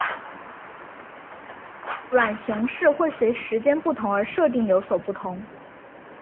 浣熊市会随时间不同而设定有所不同。